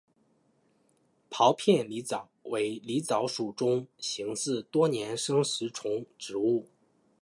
苞片狸藻为狸藻属中型似多年生食虫植物。